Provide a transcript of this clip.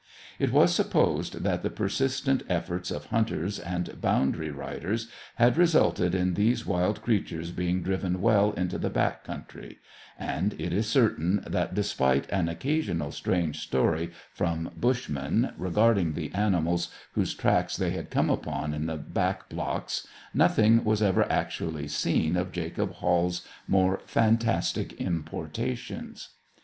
It was supposed that the persistent efforts of hunters and boundary riders had resulted in these wild creatures being driven well into the back country; and it is certain that, despite an occasional strange story from bushmen regarding the animals whose tracks they had come upon in the back blocks, nothing was ever actually seen of Jacob Hall's more fantastic importations.